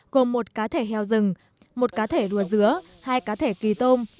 gồm một cá thể heo rừng một cá thể rùa dứa hai cá thể kỳ tôm